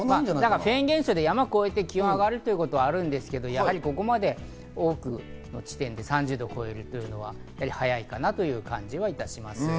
フェーン現象で山を越えて気温が上がることはあるんですけど、やはりここまで多くの地点で３０度を超えるというのは早いかなという感じはいたします。